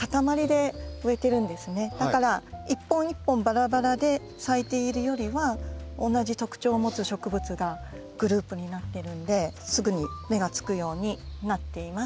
だから一本一本ばらばらで咲いているよりは同じ特徴を持つ植物がグループになってるんですぐに目がつくようになっています。